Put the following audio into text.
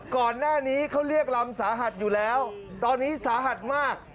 ก่อนหน้านี้เขาเรียกลำสาหัสอยู่แล้วตอนนี้สาหัสมาก